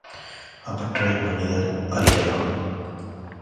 அவற்றை மனிதர் அறிலாம்.